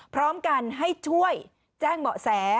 พร้อมกันให้ช่วยแจ้งเบาะแส